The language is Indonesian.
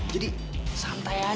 jadi santai aja kan men